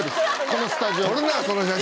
このスタジオ。